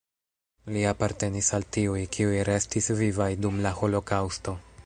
Li apartenis al tiuj, kiuj restis vivaj dum la holokaŭsto.